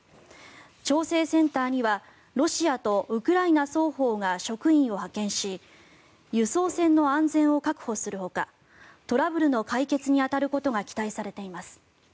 調整センターにはロシアとウクライナ双方が職員を派遣し輸送船の安全を確保するほかトラブルの解決に当たることが期待されています。